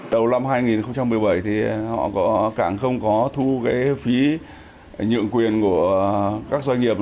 đầu năm hai nghìn một mươi bảy cảng không có thu phí nhượng quyền của các doanh nghiệp